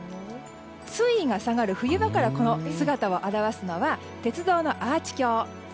水位が下がる冬場からこの姿を現すのは鉄道のアーチ橋。